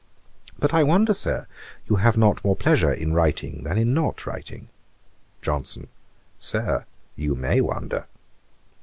'But I wonder, Sir, you have not more pleasure in writing than in not writing.' JOHNSON. 'Sir, you may wonder.'